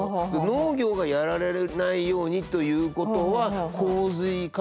農業がやられないようにということは洪水関係じゃないかと。